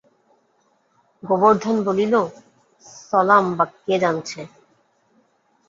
গোবর্ধন বলিল, ছলাম বা কে জানছে?